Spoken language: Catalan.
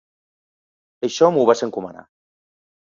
Això m’ho vas encomanar.